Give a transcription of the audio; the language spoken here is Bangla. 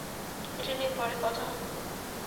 এটা নিয়ে পরে কথা হবে।